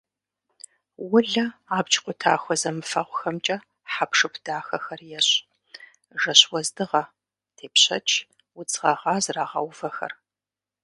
Улэ абдж къутахуэ зэмыфэгъухэмкӏэ хэпшып дахэхэр ещӏ: жэщ уэздыгъэ, тепщэч, удз гъэгъа зрагъэувэхэр.